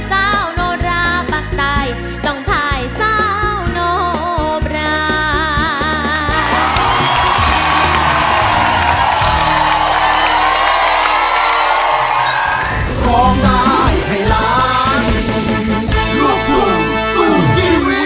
เศร้าโนราปักใต้ต้องภายเศร้าโนบราช